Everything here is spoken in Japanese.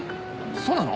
そうなの！？